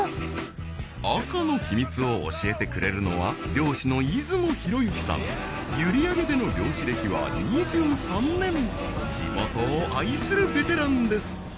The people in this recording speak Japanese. アカのヒミツを教えてくれるのは閖上での漁師歴は２３年地元を愛するベテランです